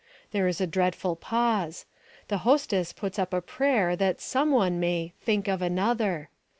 There is a dreadful pause. The hostess puts up a prayer that some one may "think of another."